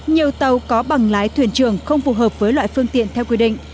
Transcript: nhiều tàu có bằng lái thuyền trưởng không phù hợp với loại phương tiện theo quy định